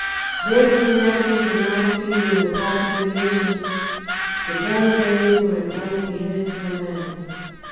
There being an absence of nice feeling on the part of the Venetians, the Janissaries were at once beheaded to a man.